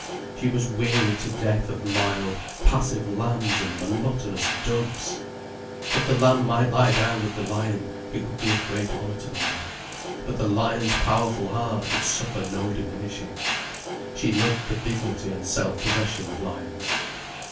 She was weary to death of mild, passive lambs and monotonous doves. If the lamb might lie down with the lion, it would be a great honour to the lamb, but the lion's powerful heart would suffer no diminishing. She loved the dignity and self possession of lions.